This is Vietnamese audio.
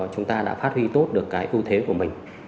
chúng ta đã phát huy tốt được cái ưu thế của mình